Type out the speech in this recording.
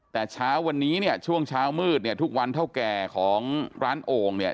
แต่เช้าวันนี้เนี่ยช่วงเช้ามืดเนี่ยทุกวันเท่าแก่ของร้านโอ่งเนี่ย